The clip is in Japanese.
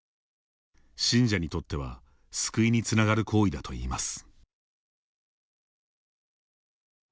信者にとっては救いにつながる行為だといいます。